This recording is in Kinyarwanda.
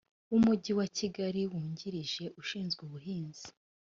w umujyi wa kigali wungirije ushinzwe ubuhinzi